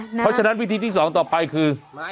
เพราะฉะนั้นวิธีที่๒ต่อไปคือ